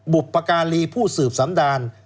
บุปการีผู้สืบสำดาน